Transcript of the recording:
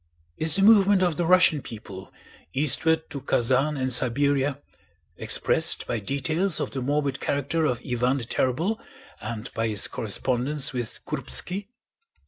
Is the movement of the Russian people eastward to Kazán and Siberia expressed by details of the morbid character of Iván the Terrible and by his correspondence with Kúrbski?